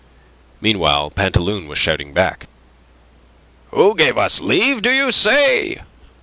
Meanwhile Pantaloon was shouting back. "Who gave us leave, do you say?